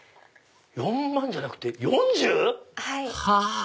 ４万じゃなくて４０⁉はぁ！